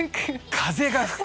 風が吹く。